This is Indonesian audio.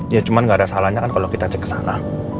ya cuma nggak ada salahnya kan kalau kita cek ke sana